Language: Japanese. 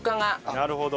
なるほど。